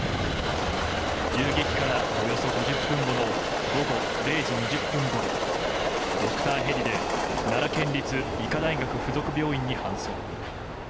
銃撃からおよそ５０分後の午後０時２０分ごろドクターヘリで奈良県立医科大学附属病院に搬送。